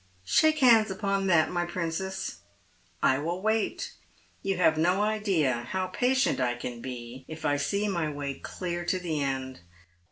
" Shake hands upon that, my princess. I will wait. You have no idea how patient I can be if I see my way clear to the end.